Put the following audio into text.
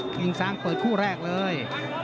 กิ่งซางเปิดคู่แรกเลย